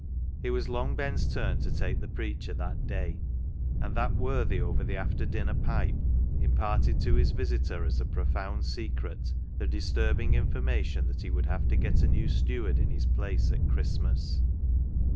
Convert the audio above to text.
It was Long Ben's turn to take the preacher that day, and that worthy over the after dinner pipe imparted to his visitor as a profound secret the disturbing information that he would have to get a new steward in his place at Christmas.